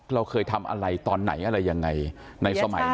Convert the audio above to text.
เราเคยทำอะไรตอนไหนอะไรยังไงในสมัยนั้น